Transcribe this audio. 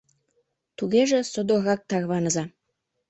— Тугеже, содоррак тарваныза!